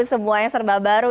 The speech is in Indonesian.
semuanya serba baru